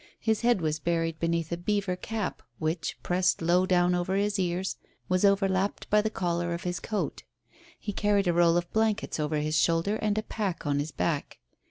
His head was buried beneath a beaver cap, which, pressed low down over his ears, was overlapped by the collar of his coat. He carried a roll of blankets over his shoulder and a pack on his back.